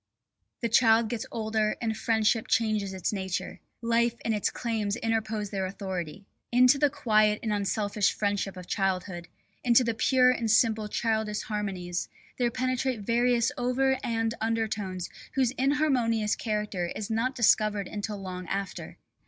The child gets older and friendship changes its nature. Life and its claims interpose their authority. Into the quiet and unselfish friendship of childhood, into the pure and simple childish harmonies there penetrate various over and under tones whose inharmonious character is not discovered until long after.